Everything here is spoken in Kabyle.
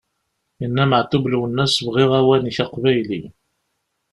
Yenna Meɛtub Lwennas: "bɣiɣ awanek aqbayli!"